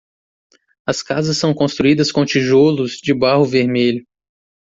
As casas são construídas com tijolos de barro vermelho.